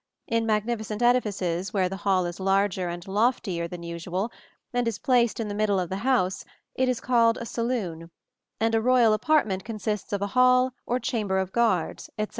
In magnificent edifices, where the hall is larger and loftier than usual, and is placed in the middle of the house, it is called a saloon; and a royal apartment consists of a hall, or chamber of guards, etc."